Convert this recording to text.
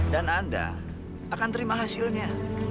dan anda akan terima hasilnya